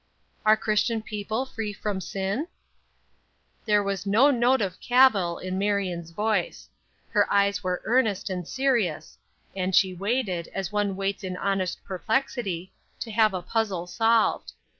"Are Christian people free from sin?" There was no note of cavil in Marion's voice. Her eyes were earnest and serious; and she waited, as one waits in honest perplexity, to have a puzzle solved.